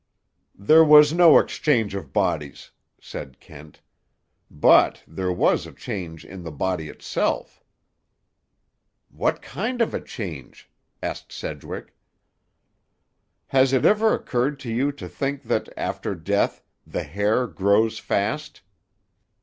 "There was no exchange of bodies," said Kent. "But there was a change in the body itself." "What kind of a change?" asked Sedgwick. "Has it ever occurred to you to think that, after death, the hair grows fast?"